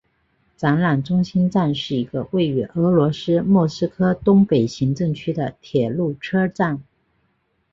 展览中心站是一个位于俄罗斯莫斯科东北行政区的铁路车站。